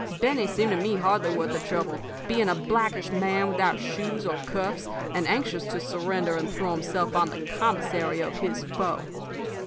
Benny seemed to me hardly worth the trouble, being a blackish man without shoes or cuffs, and anxious to surrender and throw himself on the commissary of his foe.